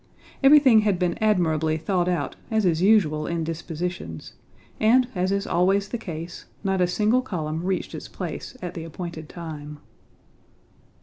Everything had been admirably thought out as is usual in dispositions, and as is always the case, not a single column reached its place at the appointed time.